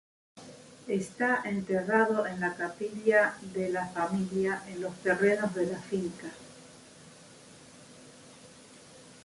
Está enterrado en la capilla de la familia en los terrenos de la finca.